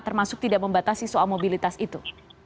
termasuk tidak membatasi soal mobilitas itu